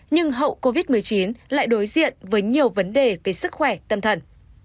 nhưng hậu covid một mươi chín lại đối diện với nhiều vấn đề về sức khỏe tâm thần